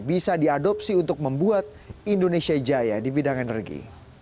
bisa diadopsi untuk membuat indonesia jaya di bidang energi